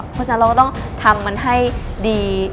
เพราะฉะนั้นเราก็ต้องทำมันให้ดี